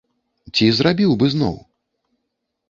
Ці зрабіў бы зноў?